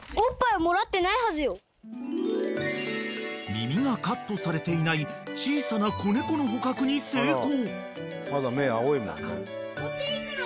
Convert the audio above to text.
［耳がカットされていない小さな子猫の捕獲に成功］